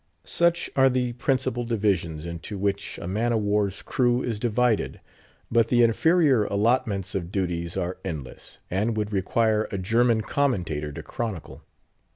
Such are the principal divisions into which a man of war's crew is divided; but the inferior allotments of duties are endless, and would require a German commentator to chronicle.